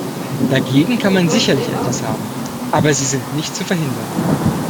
Dagegen kann man sicherlich etwas haben, aber sie sind nicht zu verhindern.